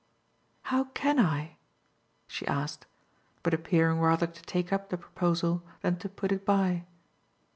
"How CAN I?" she asked, but appearing rather to take up the proposal than to put it by.